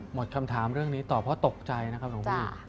หมดคำถามเรื่องนี้ต่อเพราะตกใจนะครับหลวงพี่